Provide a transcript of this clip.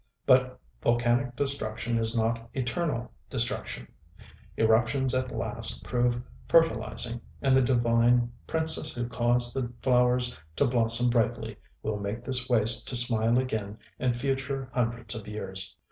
But volcanic destruction is not eternal destruction; eruptions at last prove fertilizing; and the divine ŌĆ£Princess who causes the flowers to blossom brightlyŌĆØ will make this waste to smile again in future hundreds of years.